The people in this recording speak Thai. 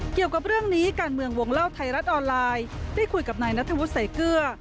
เกี่ยวกับเรื่องนี้การเมืองวงเล่าไทยรัฐออนไลน์ได้คุยกับนายนัทวุฒิใส่เกลือ